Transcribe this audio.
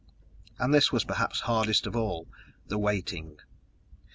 And this was perhaps hardest of all the waiting.